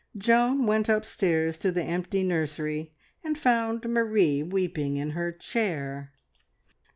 Joan went upstairs to the empty nursery and found Marie weeping in her chair.